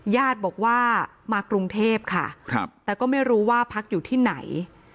ญาติบอกว่ามากรุงเทพค่ะแต่ก็ไม่รู้ว่าพักอยู่ที่ไหน